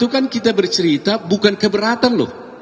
itu kan kita bercerita bukan keberatan loh